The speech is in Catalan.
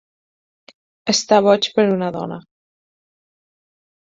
Estar boig per una dona.